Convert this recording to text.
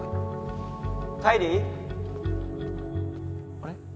あれ？